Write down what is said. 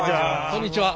こんにちは。